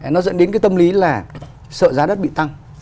nó dẫn đến cái tâm lý là sợ giá đất bị tăng